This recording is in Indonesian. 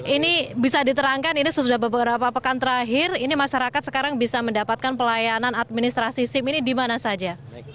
ini bisa diterangkan ini sudah beberapa pekan terakhir ini masyarakat sekarang bisa mendapatkan pelayanan administrasi sim ini di mana saja